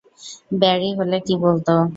Barry হলে কী বলতো?